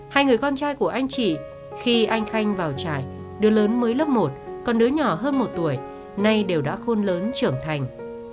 hai người con trai của anh chị khi anh khanh vào trại đứa lớn mới lớp một còn đứa nhỏ hơn một tuổi nay đều đã khôn lớn trưởng thành